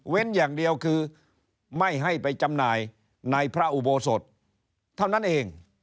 อย่างเดียวคือไม่ให้ไปจำหน่ายในพระอุโบสถเท่านั้นเอง